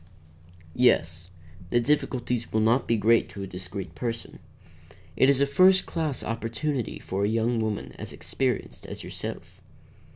"Yes. The difficulties will not be great to a discreet person. It is a first class opportunity for a young woman as experienced as yourself."